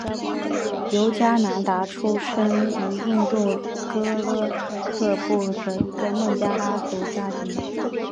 尤迦南达出生于印度戈勒克布尔一个孟加拉族家庭。